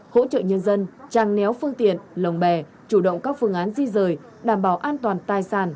hỗ trợ nhân dân trang néo phương tiện lồng bè chủ động các phương án di rời đảm bảo an toàn tài sản